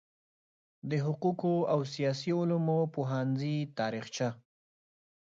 د حقوقو او سیاسي علومو پوهنځي تاریخچه